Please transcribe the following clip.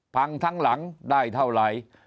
พังทั้งหลังได้เท่าไหร่